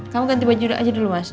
kamu ganti baju doa aja dulu mas